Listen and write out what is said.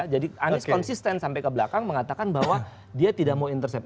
jadi anies konsisten sampai ke belakang mengatakan bahwa dia tidak mau intercept